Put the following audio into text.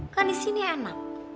kan disini enak